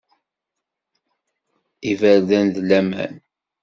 Iberdan n laman!